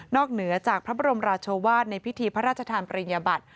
เหนือจากพระบรมราชวาสในพิธีพระราชทานปริญญาบัติ